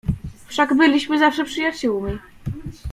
"Wszak byliśmy zawsze przyjaciółmi."